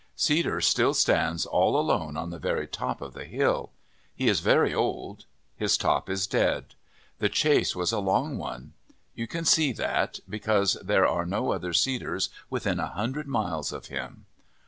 Cedar still stands all alone on the very top of the hill. He is very old. His top is dead. The chase was a long one. You can see that because there are no other cedars within a hundred miles of him.